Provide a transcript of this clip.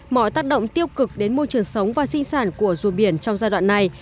mọi tác động tiêu cực đến môi trường sống và sinh sản của rùa biển trong giai đoạn này